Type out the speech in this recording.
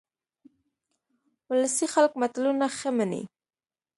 ولسي خلک متلونه ښه مني